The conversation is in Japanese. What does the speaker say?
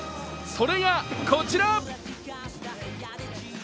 それがこちら。